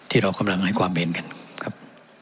ที่เรากำลังให้ความเห็นกันครับ